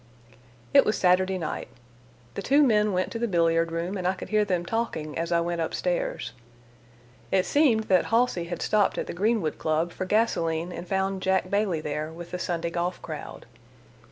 It was Saturday night. The two men went to the billiard room, and I could hear them talking as I went up stairs. It seemed that Halsey had stopped at the Greenwood Club for gasolene and found Jack Bailey there, with the Sunday golf crowd.